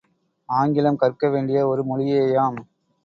ஆங்கிலம் கற்க வேண்டிய ஒரு மொழியேயாம்.